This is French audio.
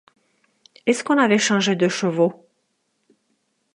Est-ce qu’on avait changé de chevaux?